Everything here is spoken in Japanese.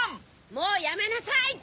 もうやめなさい！